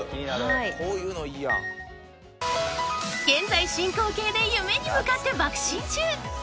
［現在進行形で夢に向かって驀進中］